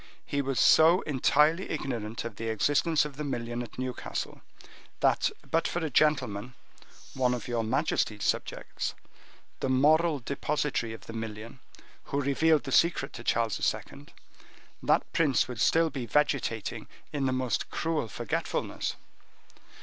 He was so entirely ignorant of the existence of the million at Newcastle, that but for a gentleman—one of your majesty's subjects—the moral depositary of the million, who revealed the secret to King Charles II., that prince would still be vegetating in the most cruel forgetfulness."